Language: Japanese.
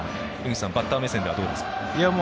バッター目線からはどうですか？